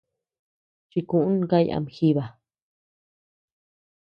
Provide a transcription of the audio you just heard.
Chikuʼún kay ama jiba.